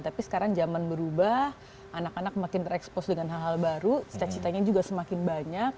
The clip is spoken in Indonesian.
tapi sekarang zaman berubah anak anak makin terekspos dengan hal hal baru cita citanya juga semakin banyak